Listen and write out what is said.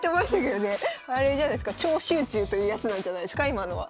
あれじゃないすか超集中というやつなんじゃないすか今のは。